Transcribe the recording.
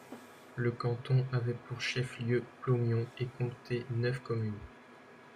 Le canton avait pour chef-lieu Plomion et comptait neuf communes.